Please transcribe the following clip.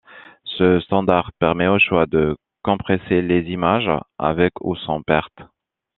Ce standard permet au choix de compresser les images avec ou sans perte.